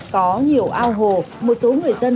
có nhiều ao hồ một số người dân